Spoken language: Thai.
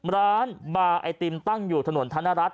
ร้านบาร์ไอติมตั้งอยู่ถนนธนรัฐ